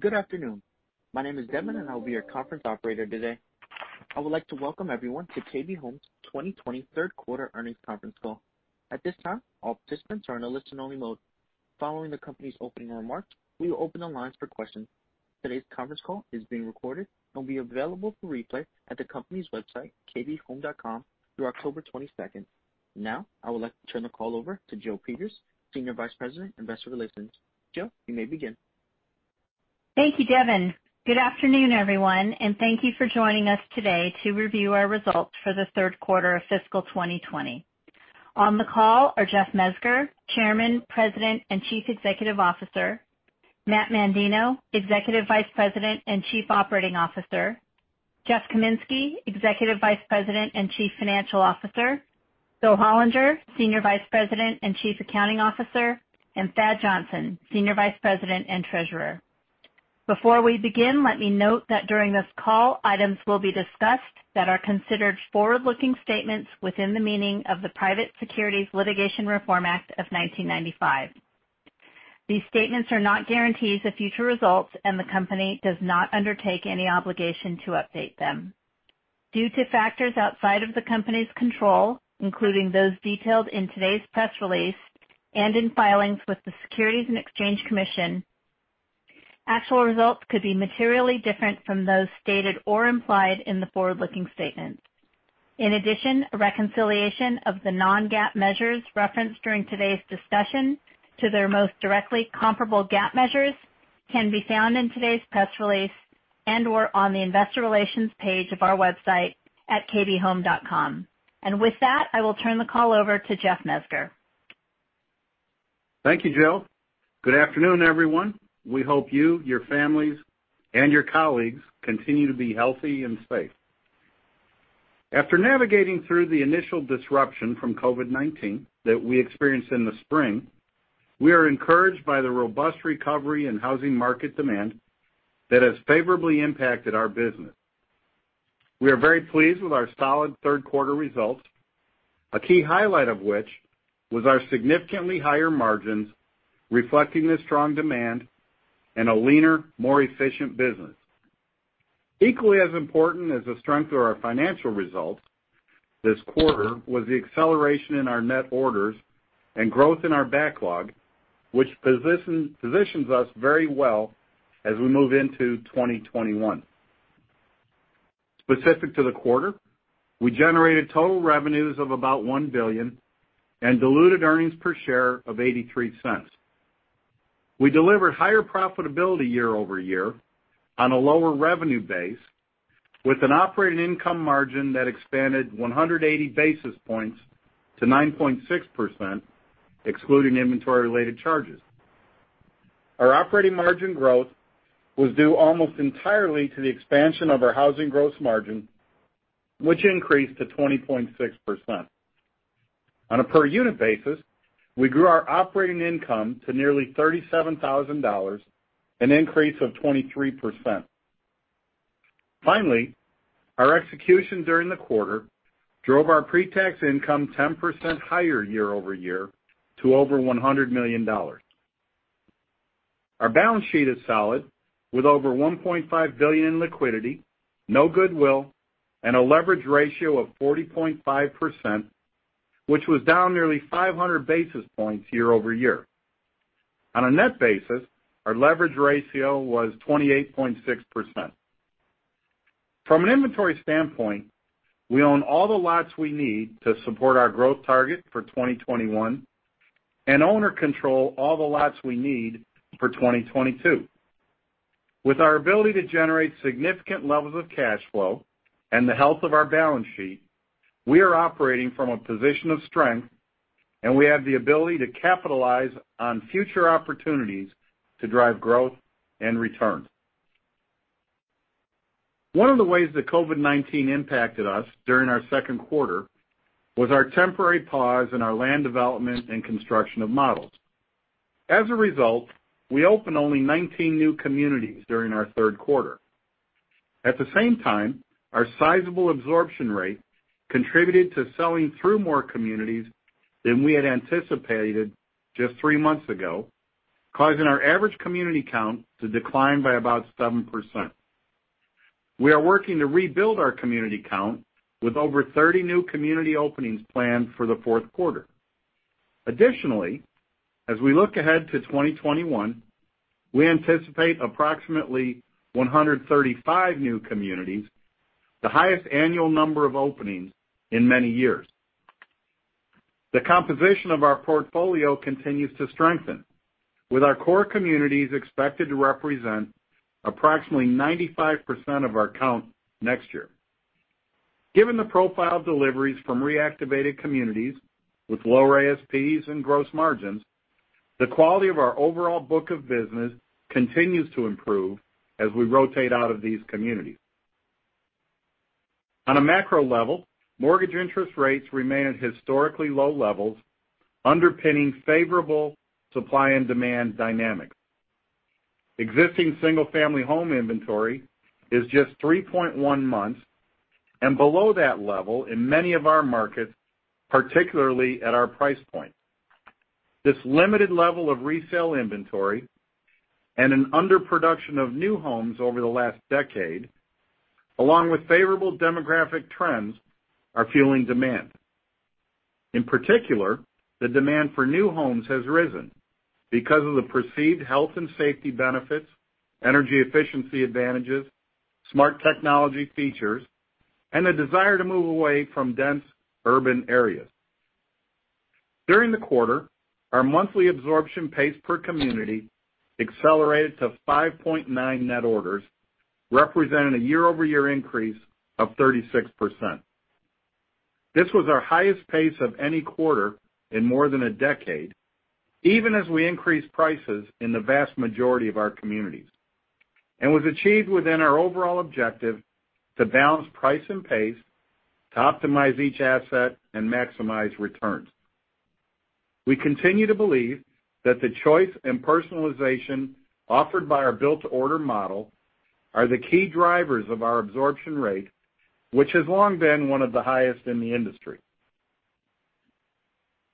Good afternoon. My name is Devin, and I will be your conference operator today. I would like to welcome everyone to KB Home's 2020 Third Quarter Earnings Conference Call. At this time, all participants are in a listen-only mode. Following the company's opening remarks, we will open the lines for questions. Today's conference call is being recorded and will be available for replay at the company's website, kbhome.com, through October 22nd. Now, I would like to turn the call over to Jill Peters, Senior Vice President, Investor Relations. Jill, you may begin. Thank you, Devin. Good afternoon, everyone, and thank you for joining us today to review our results for the third quarter of fiscal 2020. On the call are Jeff Mezger, Chairman, President, and Chief Executive Officer, Matt Mandino, Executive Vice President and Chief Operating Officer, Jeff Kaminski, Executive Vice President and Chief Financial Officer, Bill Hollinger, Senior Vice President and Chief Accounting Officer, and Thad Johnson, Senior Vice President and Treasurer. Before we begin, let me note that during this call, items will be discussed that are considered forward-looking statements within the meaning of the Private Securities Litigation Reform Act of 1995. These statements are not guarantees of future results, and the company does not undertake any obligation to update them. Due to factors outside of the company's control, including those detailed in today's press release and in filings with the Securities and Exchange Commission, actual results could be materially different from those stated or implied in the forward-looking statements. In addition, a reconciliation of the non-GAAP measures referenced during today's discussion to their most directly comparable GAAP measures can be found in today's press release and/or on the Investor Relations page of our website at kbhome.com. And with that, I will turn the call over to Jeff Mezger. Thank you, Jill. Good afternoon, everyone. We hope you, your families, and your colleagues continue to be healthy and safe. After navigating through the initial disruption from COVID-19 that we experienced in the spring, we are encouraged by the robust recovery in housing market demand that has favorably impacted our business. We are very pleased with our solid third quarter results, a key highlight of which was our significantly higher margins reflecting the strong demand and a leaner, more efficient business. Equally as important as the strength of our financial results this quarter was the acceleration in our net orders and growth in our backlog, which positions us very well as we move into 2021. Specific to the quarter, we generated total revenues of about $1 billion and diluted earnings per share of $0.83. We delivered higher profitability year-over-year on a lower revenue base with an operating income margin that expanded 180 basis points to 9.6%, excluding inventory-related charges. Our operating margin growth was due almost entirely to the expansion of our housing gross margin, which increased to 20.6%. On a per-unit basis, we grew our operating income to nearly $37,000, an increase of 23%. Finally, our execution during the quarter drove our pre-tax income 10% higher year-over-year to over $100 million. Our balance sheet is solid, with over $1.5 billion in liquidity, no goodwill, and a leverage ratio of 40.5%, which was down nearly 500 basis points year-over-year. On a net basis, our leverage ratio was 28.6%. From an inventory standpoint, we own all the lots we need to support our growth target for 2021 and own or control all the lots we need for 2022. With our ability to generate significant levels of cash flow and the health of our balance sheet, we are operating from a position of strength, and we have the ability to capitalize on future opportunities to drive growth and returns. One of the ways that COVID-19 impacted us during our second quarter was our temporary pause in our land development and construction of models. As a result, we opened only 19 new communities during our third quarter. At the same time, our sizable absorption rate contributed to selling through more communities than we had anticipated just three months ago, causing our average community count to decline by about 7%. We are working to rebuild our community count with over 30 new community openings planned for the fourth quarter. Additionally, as we look ahead to 2021, we anticipate approximately 135 new communities, the highest annual number of openings in many years. The composition of our portfolio continues to strengthen, with our core communities expected to represent approximately 95% of our count next year. Given the profile deliveries from reactivated communities with lower ASPs and gross margins, the quality of our overall book of business continues to improve as we rotate out of these communities. On a macro level, mortgage interest rates remain at historically low levels, underpinning favorable supply and demand dynamics. Existing single-family home inventory is just 3.1 months, and below that level in many of our markets, particularly at our price point. This limited level of resale inventory and an underproduction of new homes over the last decade, along with favorable demographic trends, are fueling demand. In particular, the demand for new homes has risen because of the perceived health and safety benefits, energy efficiency advantages, smart technology features, and the desire to move away from dense urban areas. During the quarter, our monthly absorption pace per community accelerated to 5.9 net orders, representing a year-over-year increase of 36%. This was our highest pace of any quarter in more than a decade, even as we increased prices in the vast majority of our communities, and was achieved within our overall objective to balance price and pace to optimize each asset and maximize returns. We continue to believe that the choice and personalization offered by our Built-to-Order model are the key drivers of our absorption rate, which has long been one of the highest in the industry.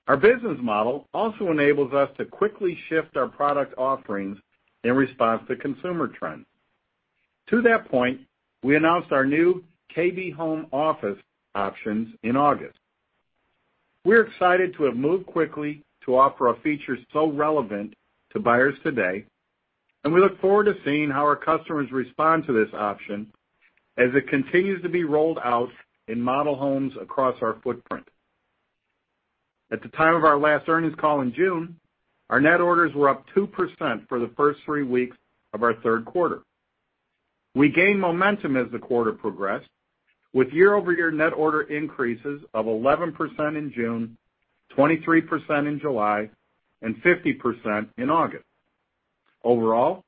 Our business model also enables us to quickly shift our product offerings in response to consumer trends. To that point, we announced our new KB Home Office options in August. We are excited to have moved quickly to offer a feature so relevant to buyers today, and we look forward to seeing how our customers respond to this option as it continues to be rolled out in model homes across our footprint. At the time of our last earnings call in June, our net orders were up 2% for the first three weeks of our third quarter. We gained momentum as the quarter progressed, with year-over-year net order increases of 11% in June, 23% in July, and 50% in August. Overall,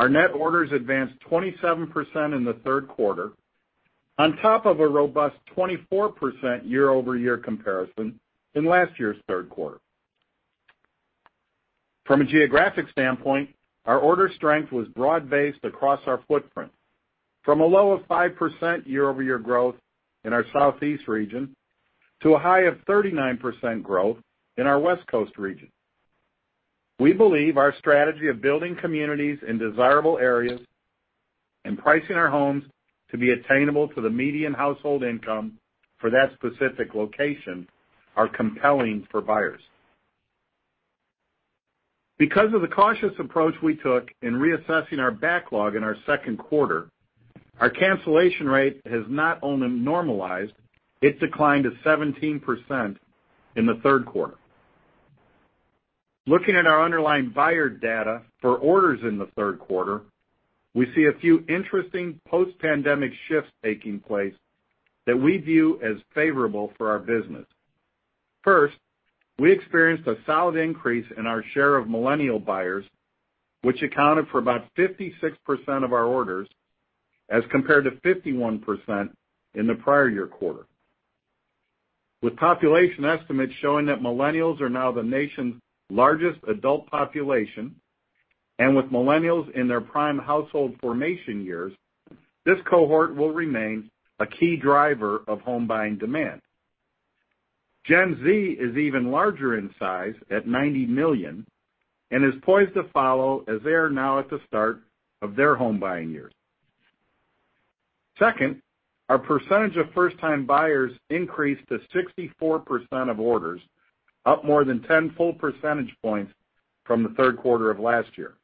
our net orders advanced 27% in the third quarter, on top of a robust 24% year-over-year comparison in last year's third quarter. From a geographic standpoint, our order strength was broad-based across our footprint, from a low of 5% year-over-year growth in our Southeast region to a high of 39% growth in our West Coast region. We believe our strategy of building communities in desirable areas and pricing our homes to be attainable to the median household income for that specific location are compelling for buyers. Because of the cautious approach we took in reassessing our backlog in our second quarter, our cancellation rate has not only normalized. It declined to 17% in the third quarter. Looking at our underlying buyer data for orders in the third quarter, we see a few interesting post-pandemic shifts taking place that we view as favorable for our business. First, we experienced a solid increase in our share of Millennial buyers, which accounted for about 56% of our orders as compared to 51% in the prior year quarter. With population estimates showing that Millennials are now the nation's largest adult population, and with Millennials in their prime household formation years, this cohort will remain a key driver of homebuying demand. Gen Z is even larger in size at 90 million and is poised to follow as they are now at the start of their homebuying years. Second, our percentage of first-time buyers increased to 64% of orders, up more than 10 full percentage points from the third quarter of last year.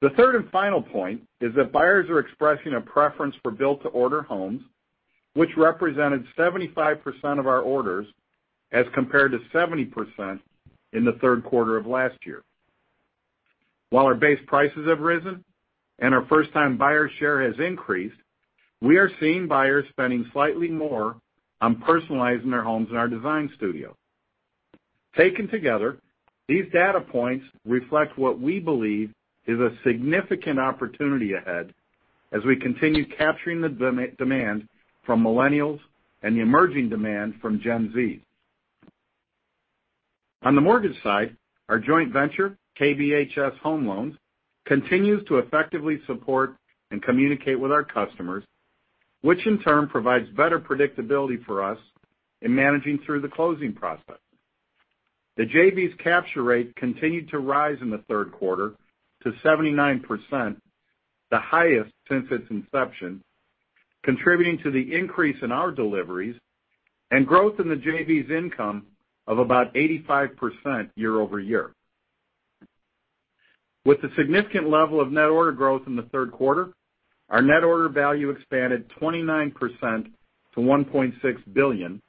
The third and final point is that buyers are expressing a preference for Built-to-Order homes, which represented 75% of our orders as compared to 70% in the third quarter of last year. While our base prices have risen and our first-time buyer share has increased, we are seeing buyers spending slightly more on personalizing their homes in our design studio. Taken together, these data points reflect what we believe is a significant opportunity ahead as we continue capturing the demand from Millennials and the emerging demand from Gen Z. On the mortgage side, our joint venture, KBHS Home Loans, continues to effectively support and communicate with our customers, which in turn provides better predictability for us in managing through the closing process. The JV's capture rate continued to rise in the third quarter to 79%, the highest since its inception, contributing to the increase in our deliveries and growth in the JV's income of about 85% year-over-year. With the significant level of net order growth in the third quarter, our net order value expanded 29% to $1.6 billion,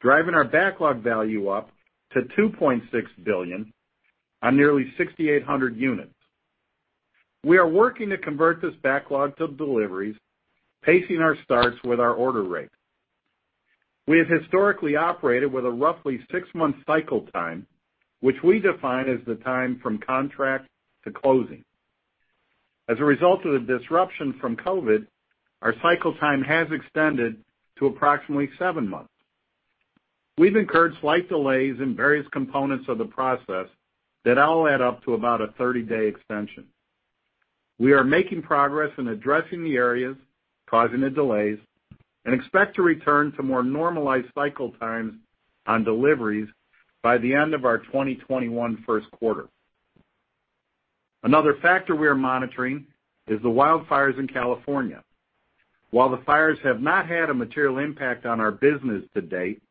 driving our backlog value up to $2.6 billion on nearly 6,800 units. We are working to convert this backlog to deliveries, pacing our starts with our order rate. We have historically operated with a roughly six-month cycle time, which we define as the time from contract to closing. As a result of the disruption from COVID, our cycle time has extended to approximately seven months. We've incurred slight delays in various components of the process that all add up to about a 30-day extension. We are making progress in addressing the areas causing the delays and expect to return to more normalized cycle times on deliveries by the end of our 2021 first quarter. Another factor we are monitoring is the wildfires in California. While the fires have not had a material impact on our business to date,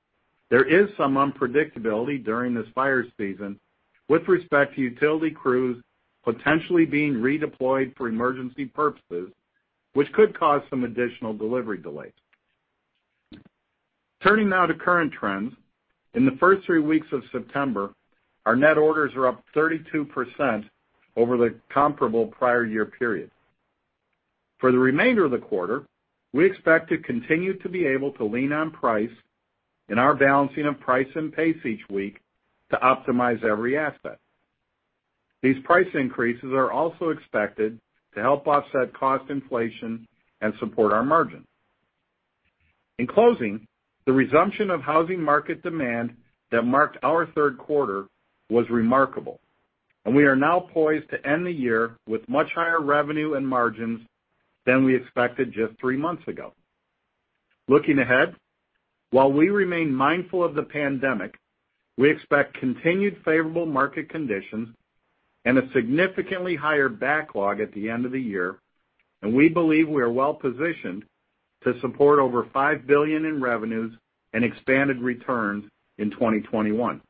there is some unpredictability during this fire season with respect to utility crews potentially being redeployed for emergency purposes, which could cause some additional delivery delays. Turning now to current trends, in the first three weeks of September, our net orders are up 32% over the comparable prior year period. For the remainder of the quarter, we expect to continue to be able to lean on price in our balancing of price and pace each week to optimize every asset. These price increases are also expected to help offset cost inflation and support our margin. In closing, the resumption of housing market demand that marked our third quarter was remarkable, and we are now poised to end the year with much higher revenue and margins than we expected just three months ago. Looking ahead, while we remain mindful of the pandemic, we expect continued favorable market conditions and a significantly higher backlog at the end of the year, and we believe we are well positioned to support over $5 billion in revenues and expanded returns in 2021.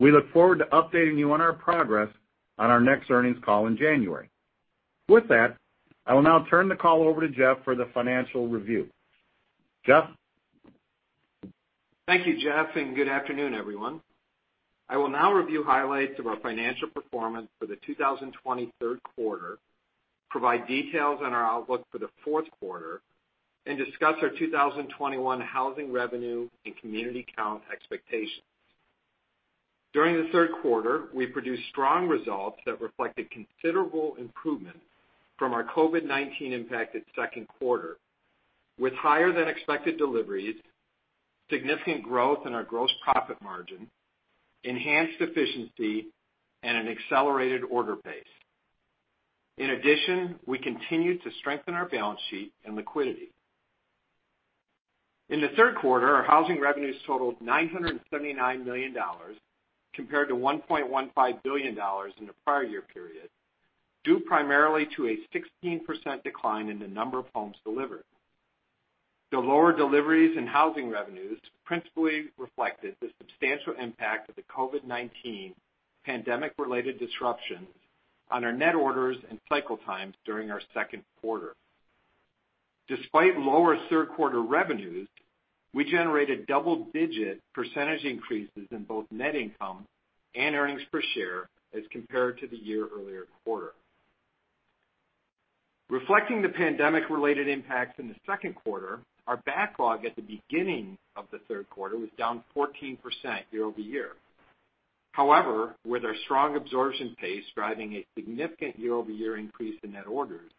We look forward to updating you on our progress on our next earnings call in January. With that, I will now turn the call over to Jeff for the financial review. Jeff. Thank you, Jeff, and good afternoon, everyone. I will now review highlights of our financial performance for the 2020 third quarter, provide details on our outlook for the fourth quarter, and discuss our 2021 housing revenue and community count expectations. During the third quarter, we produced strong results that reflected considerable improvement from our COVID-19 impacted second quarter, with higher-than-expected deliveries, significant growth in our gross profit margin, enhanced efficiency, and an accelerated order pace. In addition, we continue to strengthen our balance sheet and liquidity. In the third quarter, our housing revenues totaled $979 million compared to $1.15 billion in the prior year period, due primarily to a 16% decline in the number of homes delivered. The lower deliveries in housing revenues principally reflected the substantial impact of the COVID-19 pandemic-related disruptions on our net orders and cycle times during our second quarter. Despite lower third-quarter revenues, we generated double-digit percentage increases in both net income and earnings per share as compared to the year-earlier quarter. Reflecting the pandemic-related impacts in the second quarter, our backlog at the beginning of the third quarter was down 14% year-over-year. However, with our strong absorption pace driving a significant year-over-year increase in net orders,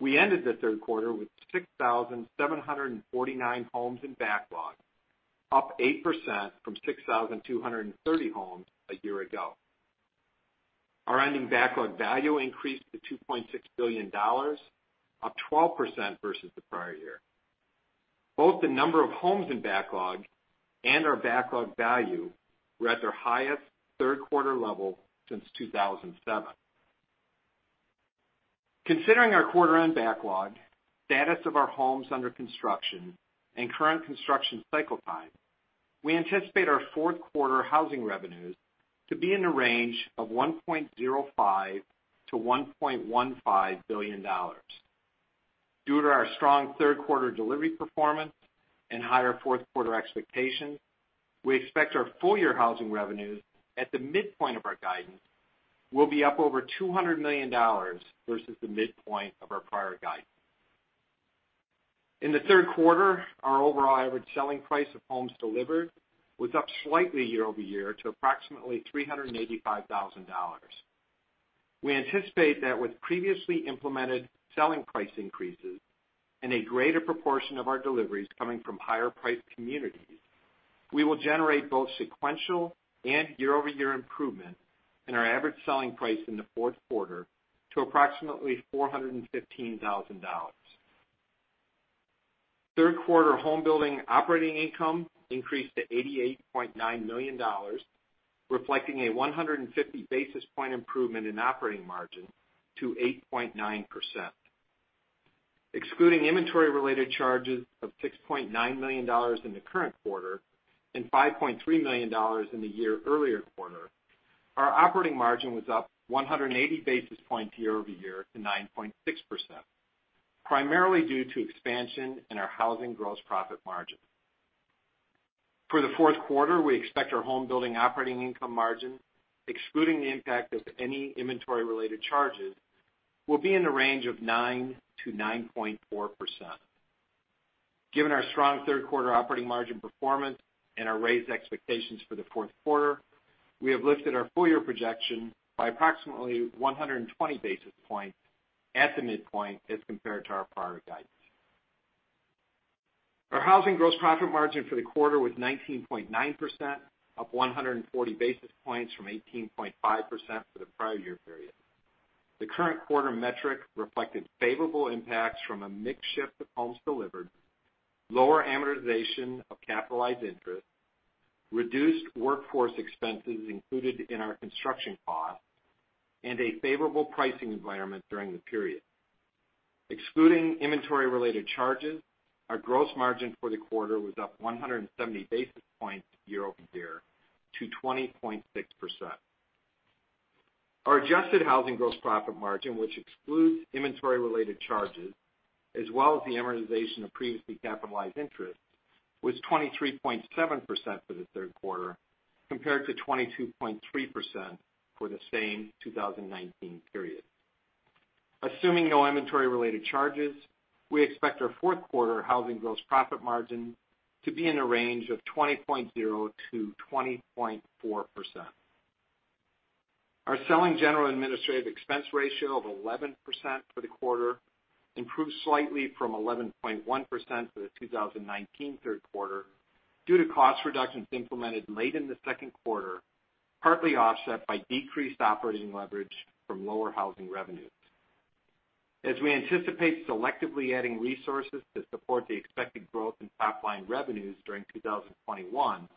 we ended the third quarter with 6,749 homes in backlog, up 8% from 6,230 homes a year ago. Our ending backlog value increased to $2.6 billion, up 12% versus the prior year. Both the number of homes in backlog and our backlog value were at their highest third-quarter level since 2007. Considering our quarter-end backlog, status of our homes under construction, and current construction cycle time, we anticipate our fourth-quarter housing revenues to be in the range of $1.05 billion-$1.15 billion. Due to our strong third-quarter delivery performance and higher fourth-quarter expectations, we expect our full-year housing revenues at the midpoint of our guidance will be up over $200 million versus the midpoint of our prior guidance. In the third quarter, our overall average selling price of homes delivered was up slightly year-over-year to approximately $385,000. We anticipate that with previously implemented selling price increases and a greater proportion of our deliveries coming from higher-priced communities, we will generate both sequential and year-over-year improvement in our average selling price in the fourth quarter to approximately $415,000. Third-quarter homebuilding operating income increased to $88.9 million, reflecting a 150 basis points improvement in operating margin to 8.9%. Excluding inventory-related charges of $6.9 million in the current quarter and $5.3 million in the year-earlier quarter, our operating margin was up 180 basis points year-over-year to 9.6%, primarily due to expansion in our housing gross profit margin. For the fourth quarter, we expect our homebuilding operating income margin, excluding the impact of any inventory-related charges, will be in the range of 9%-9.4%. Given our strong third-quarter operating margin performance and our raised expectations for the fourth quarter, we have lifted our full-year projection by approximately 120 basis points at the midpoint as compared to our prior guidance. Our housing gross profit margin for the quarter was 19.9%, up 140 basis points from 18.5% for the prior year period. The current quarter metric reflected favorable impacts from a mix shift of homes delivered, lower amortization of capitalized interest, reduced workforce expenses included in our construction costs, and a favorable pricing environment during the period. Excluding inventory-related charges, our gross margin for the quarter was up 170 basis points year-over-year to 20.6%. Our adjusted housing gross profit margin, which excludes inventory-related charges as well as the amortization of previously capitalized interest, was 23.7% for the third quarter compared to 22.3% for the same 2019 period. Assuming no inventory-related charges, we expect our fourth quarter housing gross profit margin to be in the range of 20.0%-20.4%. Our selling, general, and administrative expense ratio of 11% for the quarter improved slightly from 11.1% for the 2019 third quarter due to cost reductions implemented late in the second quarter, partly offset by decreased operating leverage from lower housing revenues. As we anticipate selectively adding resources to support the expected growth in top-line revenues during 2021,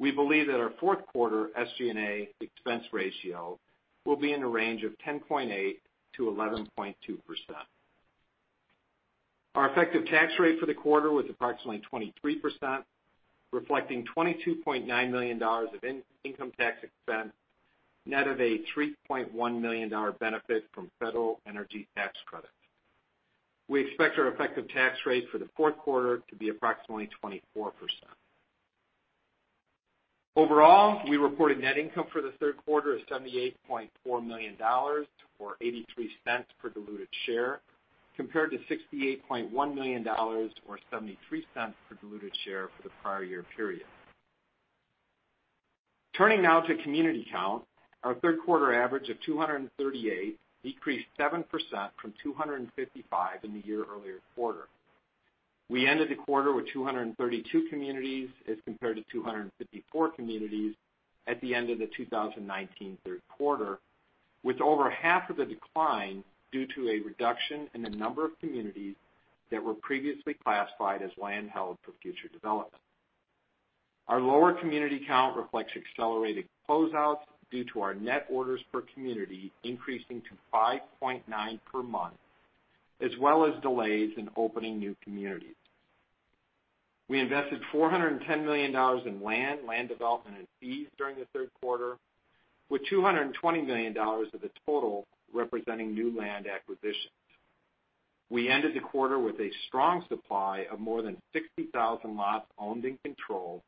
we believe that our fourth quarter SG&A expense ratio will be in the range of 10.8%-11.2%. Our effective tax rate for the quarter was approximately 23%, reflecting $22.9 million of income tax expense, net of a $3.1 million benefit from federal energy tax credits. We expect our effective tax rate for the fourth quarter to be approximately 24%. Overall, we reported net income for the third quarter of $78.4 million or $0.83 per diluted share compared to $68.1 million or $0.73 per diluted share for the prior year period. Turning now to community count, our third-quarter average of 238 decreased 7% from 255 in the year-earlier quarter. We ended the quarter with 232 communities as compared to 254 communities at the end of the 2019 third quarter, with over half of the decline due to a reduction in the number of communities that were previously classified as land held for future development. Our lower community count reflects accelerated closeouts due to our net orders per community increasing to 5.9 per month, as well as delays in opening new communities. We invested $410 million in land, land development, and fees during the third quarter, with $220 million of the total representing new land acquisitions. We ended the quarter with a strong supply of more than 60,000 lots owned and controlled,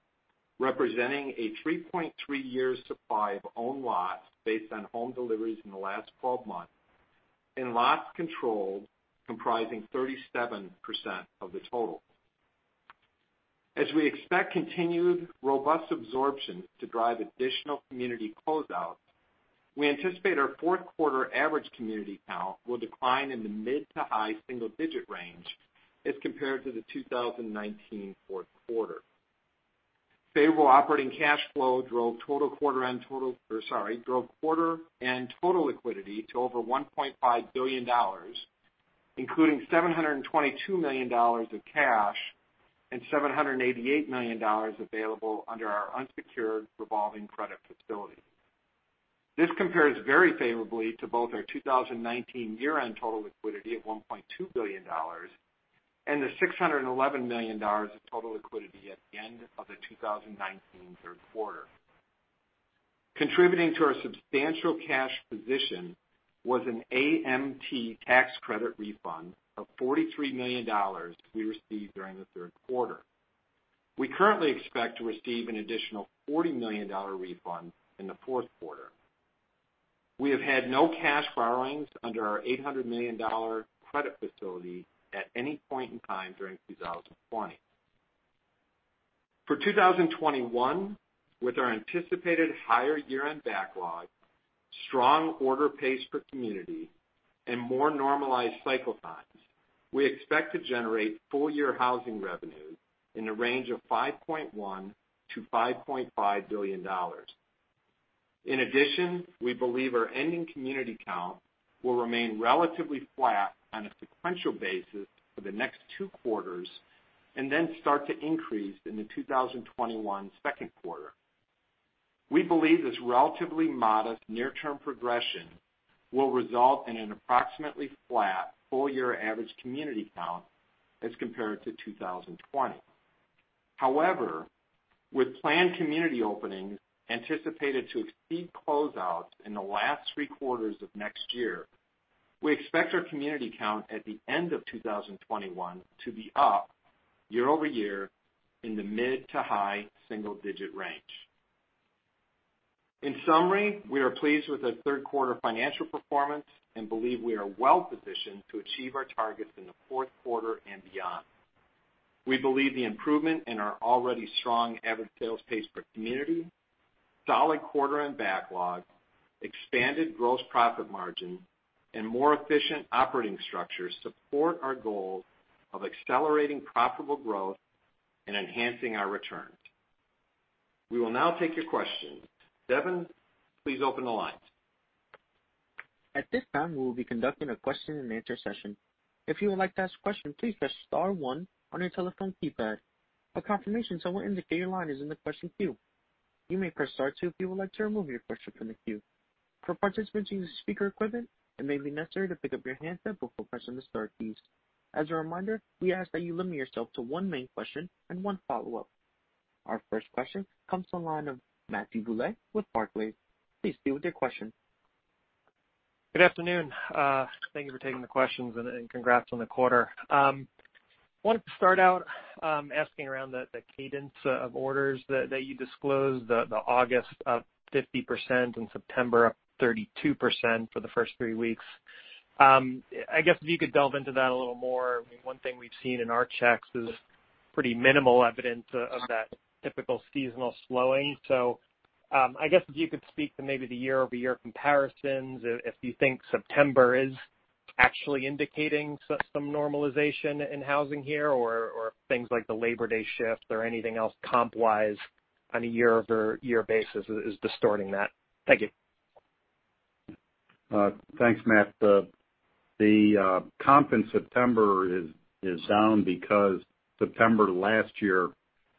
representing a 3.3-year supply of owned lots based on home deliveries in the last 12 months and lots controlled comprising 37% of the total. As we expect continued robust absorption to drive additional community closeouts, we anticipate our fourth-quarter average community count will decline in the mid to high single-digit range as compared to the 2019 fourth quarter. Favorable operating cash flow drove quarter-end total liquidity to over $1.5 billion, including $722 million of cash and $788 million available under our unsecured revolving credit facility. This compares very favorably to both our 2019 year-end total liquidity of $1.2 billion and the $611 million of total liquidity at the end of the 2019 third quarter. Contributing to our substantial cash position was an AMT tax credit refund of $43 million we received during the third quarter. We currently expect to receive an additional $40 million refund in the fourth quarter. We have had no cash borrowings under our $800 million credit facility at any point in time during 2020. For 2021, with our anticipated higher year-end backlog, strong order pace per community, and more normalized cycle times, we expect to generate full-year housing revenues in the range of $5.1 billion-$5.5 billion. In addition, we believe our ending community count will remain relatively flat on a sequential basis for the next two quarters and then start to increase in the 2021 second quarter. We believe this relatively modest near-term progression will result in an approximately flat full-year average community count as compared to 2020. However, with planned community openings anticipated to exceed closeouts in the last three quarters of next year, we expect our community count at the end of 2021 to be up year-over-year in the mid to high single-digit range. In summary, we are pleased with our third-quarter financial performance and believe we are well positioned to achieve our targets in the fourth quarter and beyond. We believe the improvement in our already strong average sales pace per community, solid quarter-end backlog, expanded gross profit margin, and more efficient operating structure support our goal of accelerating profitable growth and enhancing our returns. We will now take your questions. Devin, please open the line. At this time, we will be conducting a question-and-answer session. If you would like to ask a question, please press star one on your telephone keypad. A confirmation tone will indicate your line is in the question queue. You may press star two if you would like to remove your question from the queue. For participants using speaker equipment, it may be necessary to pick up your handset before pressing the star keys. As a reminder, we ask that you limit yourself to one main question and one follow-up. Our first question comes from the line of Matthew Bouley with Barclays. Please begin with your question. Good afternoon. Thank you for taking the questions and congrats on the quarter. I wanted to start out asking around the cadence of orders that you disclosed, the August up 50% and September up 32% for the first three weeks. I guess if you could delve into that a little more. I mean, one thing we've seen in our checks is pretty minimal evidence of that typical seasonal slowing. So I guess if you could speak to maybe the year-over-year comparisons, if you think September is actually indicating some normalization in housing here or things like the Labor Day shift or anything else comp-wise on a year-over-year basis is distorting that? Thank you. Thanks, Matt. The comp in September is down because September last year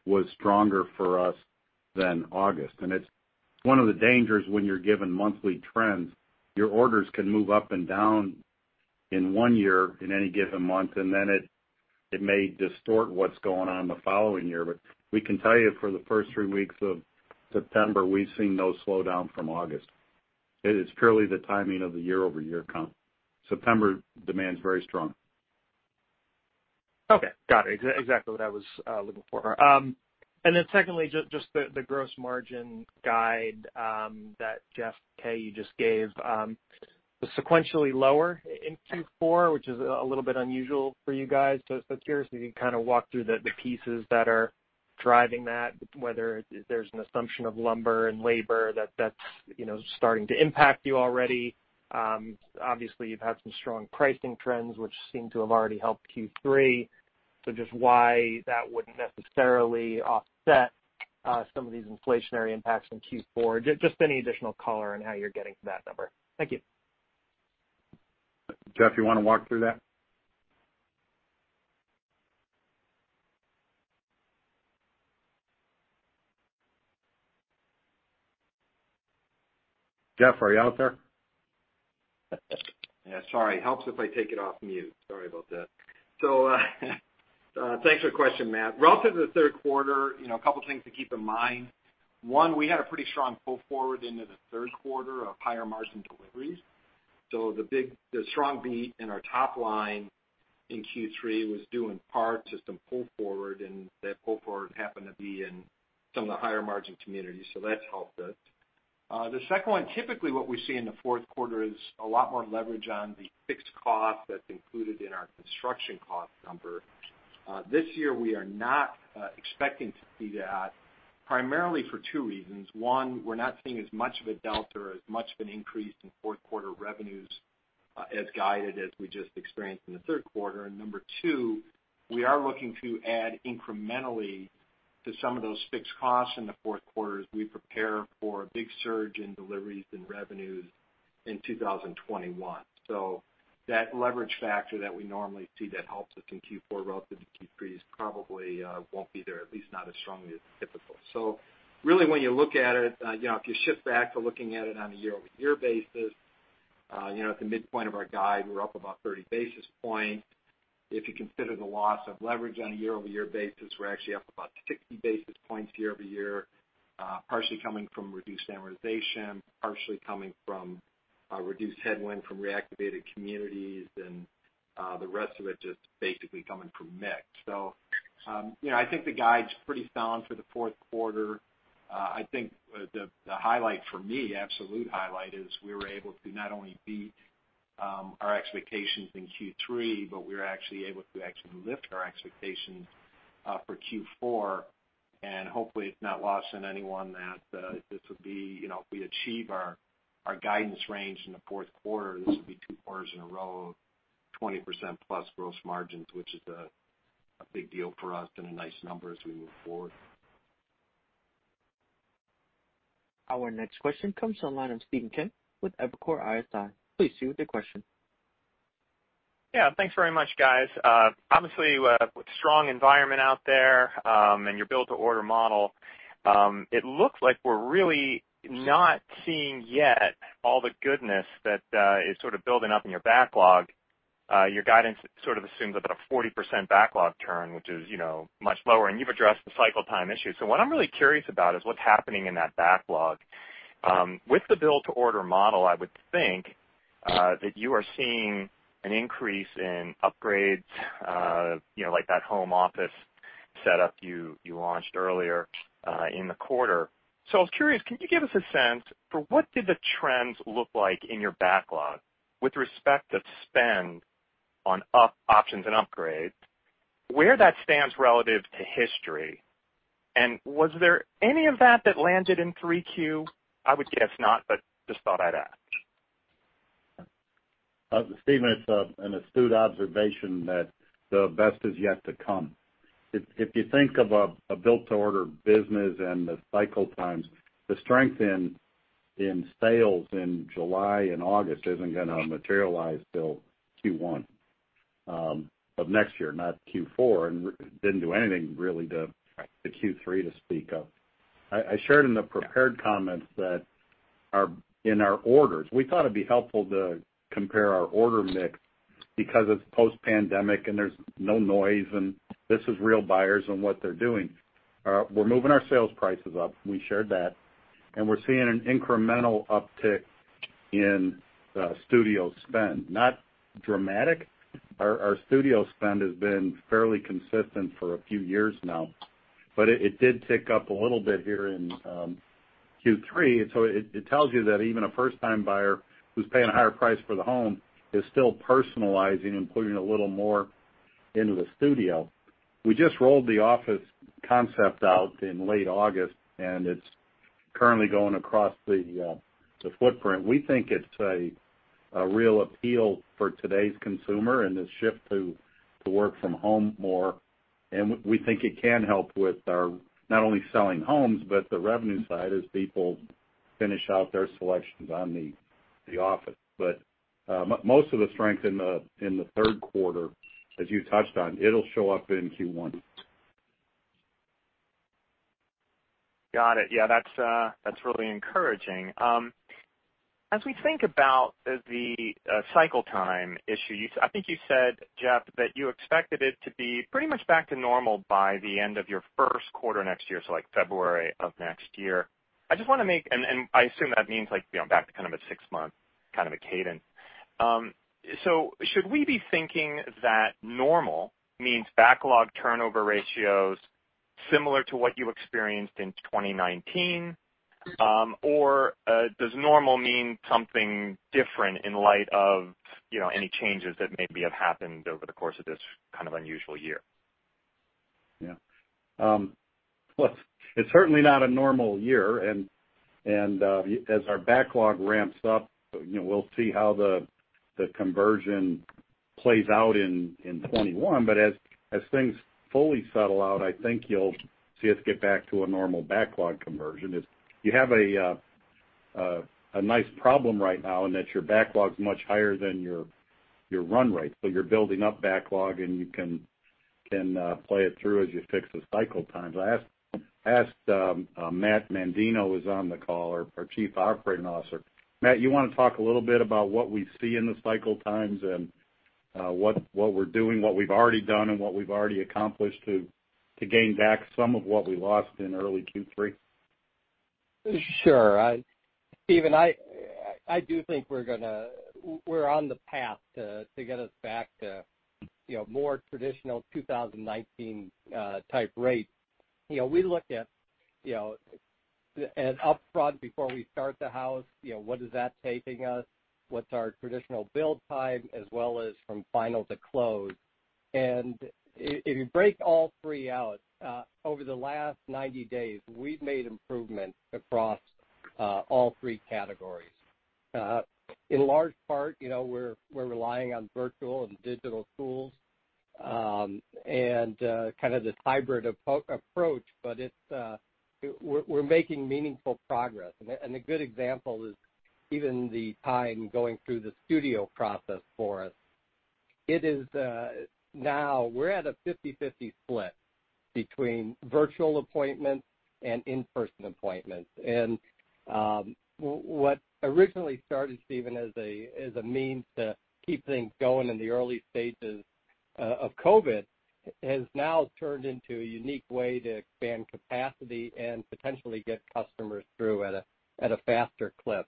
was stronger for us than August, and it's one of the dangers when you're given monthly trends. Your orders can move up and down in one year in any given month, and then it may distort what's going on the following year, but we can tell you for the first three weeks of September, we've seen no slowdown from August. It's purely the timing of the year-over-year comp. September demand's very strong. Okay. Got it. Exactly what I was looking for. And then secondly, just the gross margin guide that Jeff K just gave, was sequentially lower in Q4, which is a little bit unusual for you guys. So I was curious if you could kind of walk through the pieces that are driving that, whether there's an assumption of lumber and labor that's starting to impact you already. Obviously, you've had some strong pricing trends, which seem to have already helped Q3. So just why that wouldn't necessarily offset some of these inflationary impacts in Q4. Just any additional color on how you're getting to that number. Thank you. Jeff, you want to walk through that? Jeff, are you out there? Yeah. Sorry. It helps if I take it off mute. Sorry about that. So thanks for the question, Matt. Relative to the third quarter, a couple of things to keep in mind. One, we had a pretty strong pull forward into the third quarter of higher margin deliveries. So the strong beat in our top line in Q3 was due in part to some pull forward, and that pull forward happened to be in some of the higher margin communities, so that's helped us. The second one, typically what we see in the fourth quarter is a lot more leverage on the fixed cost that's included in our construction cost number. This year, we are not expecting to see that, primarily for two reasons. One, we're not seeing as much of a delta or as much of an increase in fourth-quarter revenues as guided as we just experienced in the third quarter. Number two, we are looking to add incrementally to some of those fixed costs in the fourth quarter as we prepare for a big surge in deliveries and revenues in 2021. So that leverage factor that we normally see that helps us in Q4 relative to Q3 probably won't be there, at least not as strongly as typical. So really, when you look at it, if you shift back to looking at it on a year-over-year basis, at the midpoint of our guide, we're up about 30 basis points. If you consider the loss of leverage on a year-over-year basis, we're actually up about 60 basis points year-over-year, partially coming from reduced amortization, partially coming from reduced headwind from reactivated communities, and the rest of it just basically coming from mix. So I think the guide's pretty sound for the fourth quarter. I think the highlight for me, absolute highlight, is we were able to not only beat our expectations in Q3, but we were actually able to lift our expectations for Q4, and hopefully, it's not lost on anyone that this would be if we achieve our guidance range in the fourth quarter, this would be two quarters in a row of 20%-plus gross margins, which is a big deal for us and a nice number as we move forward. Our next question comes from the line of Stephen Kim with Evercore ISI. Please proceed with your question. Yeah. Thanks very much, guys. Obviously, with a strong environment out there and your build-to-order model, it looks like we're really not seeing yet all the goodness that is sort of building up in your backlog. Your guidance sort of assumes about a 40% backlog turn, which is much lower, and you've addressed the cycle time issue. So what I'm really curious about is what's happening in that backlog. With the build-to-order model, I would think that you are seeing an increase in upgrades, like that home office setup you launched earlier in the quarter. So I was curious, can you give us a sense for what did the trends look like in your backlog with respect to spend on options and upgrades, where that stands relative to history? And was there any of that that landed in 3Q? I would guess not, but just thought I'd ask. Stephen, it's an astute observation that the best is yet to come. If you think of a build-to-order business and the cycle times, the strength in sales in July and August isn't going to materialize till Q1 of next year, not Q4, and didn't do anything really to Q3 to speak of. I shared in the prepared comments that in our orders, we thought it'd be helpful to compare our order mix because it's post-pandemic and there's no noise, and this is real buyers and what they're doing. We're moving our sales prices up. We shared that, and we're seeing an incremental uptick in studio spend. Not dramatic. Our studio spend has been fairly consistent for a few years now, but it did tick up a little bit here in Q3, so it tells you that even a first-time buyer who's paying a higher price for the home is still personalizing and putting a little more into the studio. We just rolled the office concept out in late August, and it's currently going across the footprint. We think it's a real appeal for today's consumer and the shift to work from home more. And we think it can help with not only selling homes, but the revenue side as people finish out their selections on the office. But most of the strength in the third quarter, as you touched on, it'll show up in Q1. Got it. Yeah. That's really encouraging. As we think about the cycle time issue, I think you said, Jeff, that you expected it to be pretty much back to normal by the end of your first quarter next year, so like February of next year. I just want to make and I assume that means back to kind of a six-month kind of a cadence. So should we be thinking that normal means backlog turnover ratios similar to what you experienced in 2019, or does normal mean something different in light of any changes that maybe have happened over the course of this kind of unusual year? Yeah. Well, it's certainly not a normal year. And as our backlog ramps up, we'll see how the conversion plays out in 2021. But as things fully settle out, I think you'll see us get back to a normal backlog conversion. You have a nice problem right now in that your backlog's much higher than your run rate. So you're building up backlog, and you can play it through as you fix the cycle times. I asked Matt Mandino, who's on the call, our Chief Operating Officer, "Matt, you want to talk a little bit about what we see in the cycle times and what we're doing, what we've already done, and what we've already accomplished to gain back some of what we lost in early Q3? Sure. Stephen, I do think we're on the path to get us back to more traditional 2019-type rates. We look at upfront before we start the house, what is that taking us, what's our traditional build time, as well as from final to close. And if you break all three out, over the last 90 days, we've made improvements across all three categories. In large part, we're relying on virtual and digital tools and kind of this hybrid approach, but we're making meaningful progress. A good example is even the time going through the studio process for us. Now, we're at a 50/50 split between virtual appointments and in-person appointments. What originally started, Stephen, as a means to keep things going in the early stages of COVID has now turned into a unique way to expand capacity and potentially get customers through at a faster clip.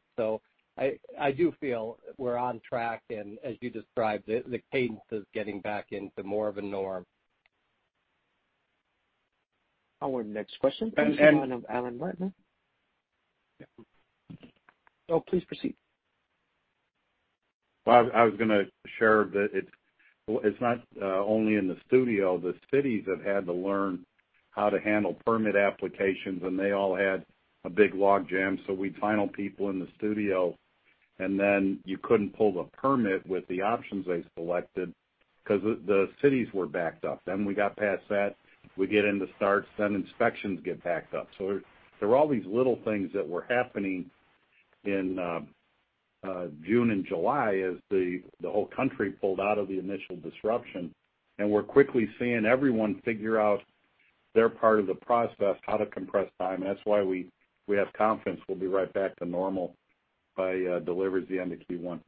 I do feel we're on track, and as you described, the cadence is getting back into more of a norm. Our next question comes from the line of Alan Ratner. Oh, please proceed. I was going to share that it's not only in the studio. The cities have had to learn how to handle permit applications, and they all had a big logjam. So we'd finalize plans in the studio, and then you couldn't pull the permit with the options they selected because the cities were backed up. Then we got past that. We get into starts, then inspections get backed up. So there were all these little things that were happening in June and July as the whole country pulled out of the initial disruption. And we're quickly seeing everyone figure out their part of the process, how to compress time. And that's why we have confidence we'll be right back to normal by delivery at the end of Q1.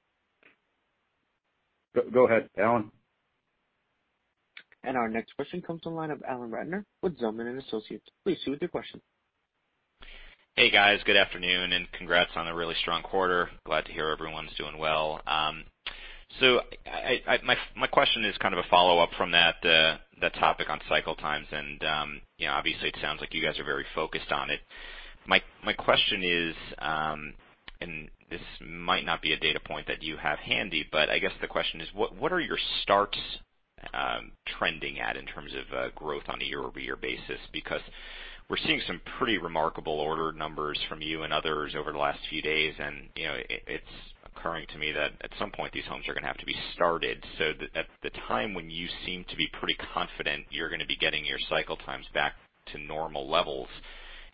Go ahead, Alan. And our next question comes from the line of Alan Ratner with Zelman & Associates. Please proceed with your question. Hey, guys. Good afternoon and congrats on a really strong quarter. Glad to hear everyone's doing well. So my question is kind of a follow-up from that topic on cycle times. And obviously, it sounds like you guys are very focused on it. My question is, and this might not be a data point that you have handy, but I guess the question is, what are your starts trending at in terms of growth on a year-over-year basis? Because we're seeing some pretty remarkable order numbers from you and others over the last few days, and it's occurring to me that at some point, these homes are going to have to be started. So at the time when you seem to be pretty confident you're going to be getting your cycle times back to normal levels,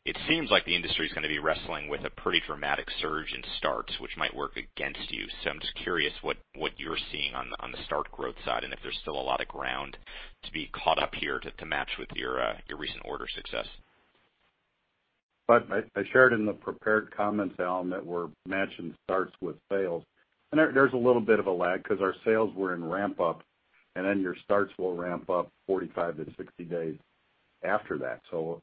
it seems like the industry's going to be wrestling with a pretty dramatic surge in starts, which might work against you. So I'm just curious what you're seeing on the start growth side and if there's still a lot of ground to be caught up here to match with your recent order success. But I shared in the prepared comments, Alan, that we're matching starts with sales. And there's a little bit of a lag because our sales were in ramp-up, and then your starts will ramp up 45-60 days after that. So